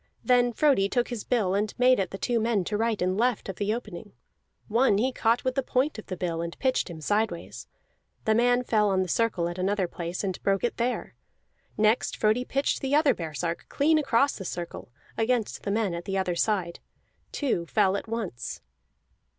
Then Frodi took his bill, and made at the two men to right and left of the opening; one he caught with the point of the bill, and pitched him sideways; that man fell on the circle at another place and broke it there. Next Frodi pitched the other baresark clean across the circle against the men at the other side; two fell at once.